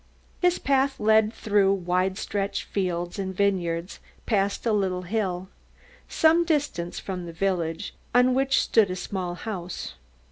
His path led through wide stretching fields and vineyards past a little hill, some distance from the village, on which stood a large house.